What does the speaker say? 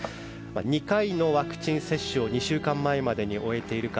２回のワクチンを２週間前までに終えているか。